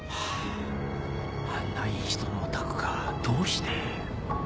あんないい人のお宅がどうして？